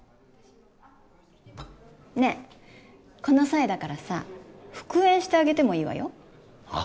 ねえこの際だからさ復縁してあげてもいいわよはっ？